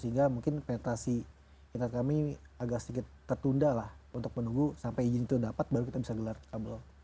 sehingga mungkin petasi kita kami agak sedikit tertunda lah untuk menunggu sampai izin itu dapat baru kita bisa gelar kabel